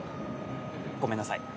ごめんなさい。